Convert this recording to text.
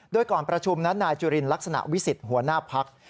โดยก่อนประชุมนั้นนายจุลินลักษณะวิสิทธิ์หัวหน้าพัก